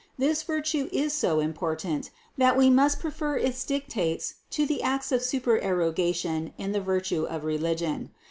This virtue is so important, that we must prefer its dictates to the acts of supererogation in the virtue of religion.